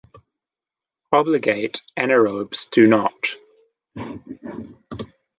Obligate anaerobes do not.